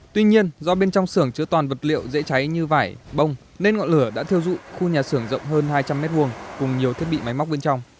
tuy nhiên do bên trong xưởng chứa toàn vật liệu dễ cháy như vải bông nên ngọn lửa đã thiêu dụi khu nhà xưởng rộng hơn hai trăm linh m hai cùng nhiều thiết bị máy móc bên trong